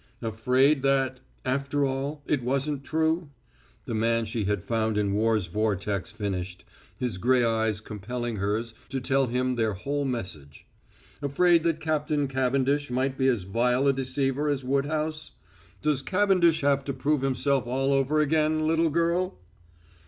"Afraid that, after all, it wasn't true?" the man she had found in war's vortex finished, his gray eyes compelling hers to tell him their whole message. "Afraid that Captain Cavendish might be as vile a deceiver as Woodhouse? Does Cavendish have to prove himself all over again, little girl?"